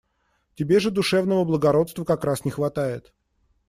Тебе же душевного благородства как раз не хватает.